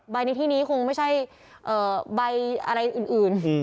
ในที่นี้คงไม่ใช่ใบอะไรอื่น